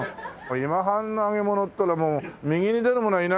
今半の揚げ物ったらもう右に出る者はいないよね。